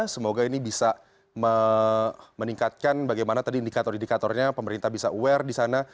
semoga ini bisa meningkatkan bagaimana tadi indikator indikatornya pemerintah bisa aware di sana